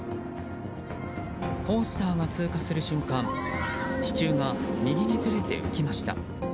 コースターが通過する瞬間支柱が右にずれて浮きました。